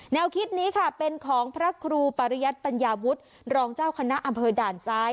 แนวคิดนี้ค่ะเป็นของพระครูปริยัติปัญญาวุฒิรองเจ้าคณะอำเภอด่านซ้าย